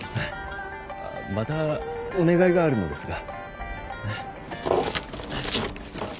またお願いがあるのですが。